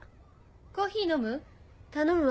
コーヒー飲む？